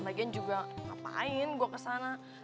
bagian juga ngapain gue kesana